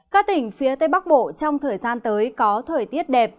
các tỉnh phía tây bắc bộ trong thời gian tới có thời tiết đẹp